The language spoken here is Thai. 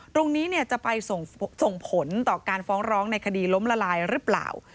ตรงนี้จะไปส่งผลต่อการฟ้องร้องในคดีล้มละลายหรือเปล่า